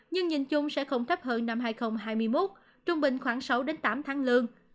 nhưng nhìn chung sẽ không thấp hơn năm hai nghìn hai mươi một trung bình khoảng sáu tám tháng lương